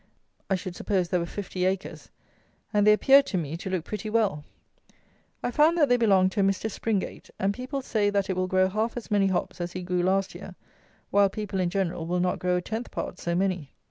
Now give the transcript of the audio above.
I should suppose there were fifty acres; and they appeared to me to look pretty well. I found that they belonged to a Mr. Springate, and people say that it will grow half as many hops as he grew last year, while people in general will not grow a tenth part so many.